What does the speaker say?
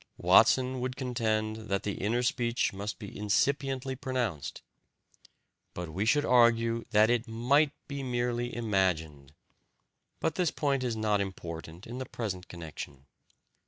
Watson would contend that the inner speech must be incipiently pronounced; we should argue that it MIGHT be merely imaged. But this point is not important in the present connection.